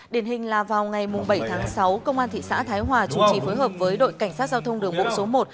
điển hình là vào ngày bảy tháng sáu công an thị xã thái hòa chủ trì phối hợp với đội cảnh sát giao thông đường bộ số một